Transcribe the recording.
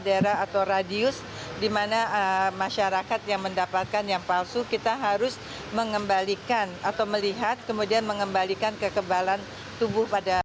daerah atau radius di mana masyarakat yang mendapatkan yang palsu kita harus mengembalikan atau melihat kemudian mengembalikan kekebalan tubuh pada